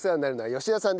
吉田さん